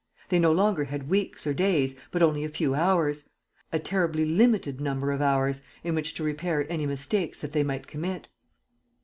They no longer had weeks or days, but only a few hours, a terribly limited number of hours, in which to repair any mistakes that they might commit.